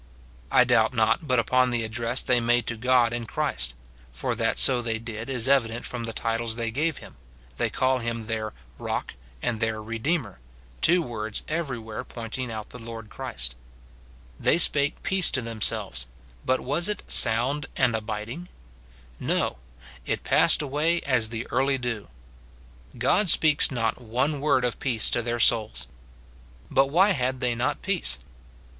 I doubt not but upon the address they made to God in Christ (for that so they did is evident from the titles they gave him ; they call him their Rock and their Redeemer, two words everywhere pointing out the Lord Christ), they spake peace to themselves j but was it sound and abid 280 MORTIFICATION OF ing ? No ; it passed away as the early dew. God speaks not one word of peace to their souls. But why had they not peace